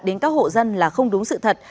đến các hộ dân là không đúng sự thật